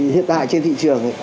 hiện tại trên thị trường